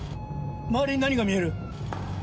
周りに何が見える？